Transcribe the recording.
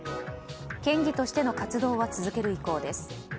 県議としての活動は続ける意向です。